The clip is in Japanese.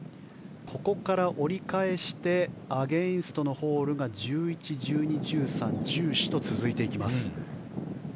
ここから折り返してアゲンストのホールが１１、１２、１３、１４と続いていきます。